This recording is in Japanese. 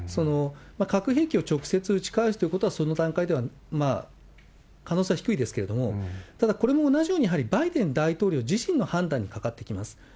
核兵器を直接撃ち返すということは、その段階では、可能性は低いですけれども、ただ、これも同じようにやはりバイデン大統領自身の判断にかかってきます。